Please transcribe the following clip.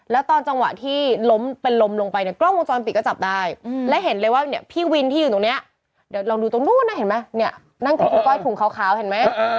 แล้วตอนจังหวะที่ล้มเป็นลมลงไปเนี่ยกล้องวงจรปิดก็จับได้และเห็นเลยว่าเนี่ยพี่วินที่อยู่ตรงนี้เดี๋ยวลองดูตรงนู้นนะเห็นไหมเนี่ยนั่งกับคุณก้อยถุงขาวเห็นไหม